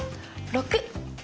６。